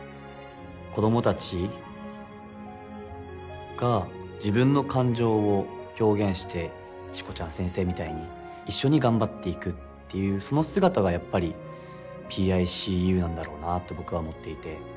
子供たちが自分の感情を表現してしこちゃん先生みたいに一緒に頑張っていくっていうその姿がやっぱり「ＰＩＣＵ」なんだろうなって僕は思っていて。